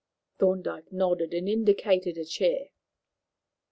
Thorndyke nodded and indicated a chair.